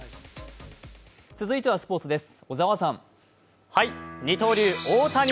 続いてはスポーツです。